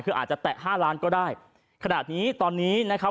คืออาจจะแตะห้าล้านก็ได้ขนาดนี้ตอนนี้นะครับ